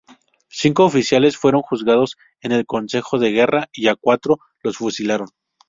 Cinco oficiales fueron juzgados en el Consejo de Guerra y a cuatro los fusilaron.